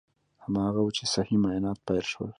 هماغه و چې صحي معاینات پیل شول.